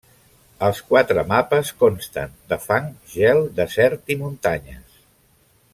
Els quatre mapes consten de fang, gel, desert i muntanyes.